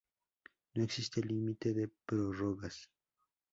No existe límite de prórrogas.